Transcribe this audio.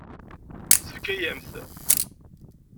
Tefka-yam-t?